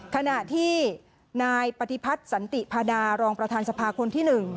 ขณะที่นายปฏิพัฒน์สันติพาดารองประธานสภาคนที่๑